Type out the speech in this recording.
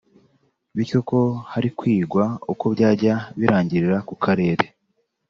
bityo ko hari kwigwa uko byajya birangirira ku Karere